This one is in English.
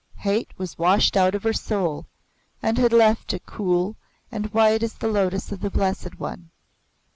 Hate was washed out of her soul and had left it cool and white as the Lotus of the Blessed One.